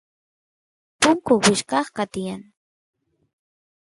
punku wichqasqa tiyan